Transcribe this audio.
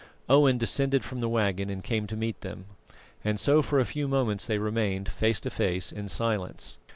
Owen descended from the waggon and came to meet them, and so for a few moments they remained, face to face, in silence.